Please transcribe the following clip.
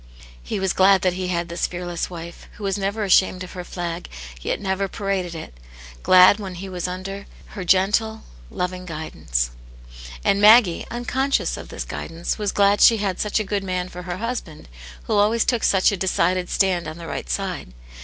He was glad that he had this fearless wife, who was never ashamed of her flag, yet never paraded it ; glad that he was under her gentle, loving guidance. And Maggie, unconscious of this guidance, was glad she had such a good man for her husband, who always took such a decided stand on the right side